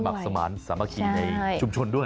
ความสมัครสมาชินในชุมชนด้วย